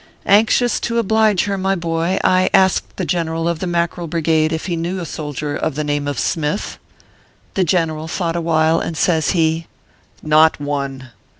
Anxious to oblige her, my boy, I asked the General of the Mackerel Brigade if he knew a soldier "of the name of Smith ?" The General thought awhile, and says he :" Not one.